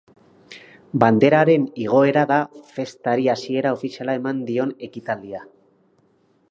Banderaren igoera da festari hasiera ofiziala eman dion ekitaldia.